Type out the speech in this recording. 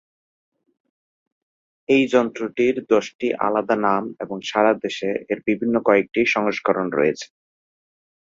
এই যন্ত্রটির দশটি আলাদা নাম এবং সারা দেশে এর বিভিন্ন কয়েকটি সংস্করণ রয়েছে।